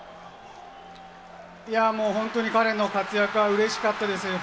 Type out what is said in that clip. いや、もう本当に彼の活躍がうれしかったですね。